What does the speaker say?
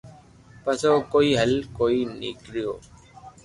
پسي بو ڪوئي ھل ڪوئي نوڪرو